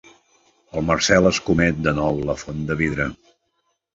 El Marcel escomet de nou la font de vidre.